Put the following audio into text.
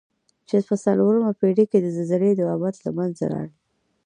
چې په څلورمه پېړۍ کې د زلزلې له بابته له منځه لاړه.